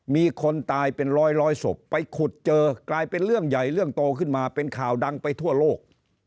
มีคนตายเป็นร้อยศพไปขุดเจอกลายเป็นเรื่องใหญ่เรื่องโตขึ้นมาเป็นข่าวดังไปทั่วโลก